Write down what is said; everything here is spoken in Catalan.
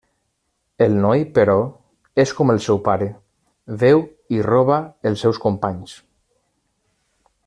El noi, però, és com el seu pare, veu i roba els seus companys.